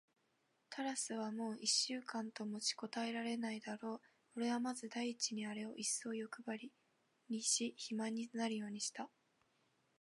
タラスはもう一週間と持ちこたえないだろう。おれはまず第一にあれをいっそうよくばりにし、肥満になるようにした。